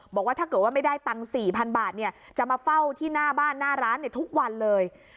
บอกว่าถ้าเกิดว่าไม่ได้ตังค์๔๐๐๐บาทจะมาเฝ้าที่หน้าบ้านหน้าร้านทุกวันเลย